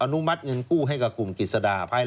นุมัติเงินกู้ให้กับกลุ่มกิจสดาภาย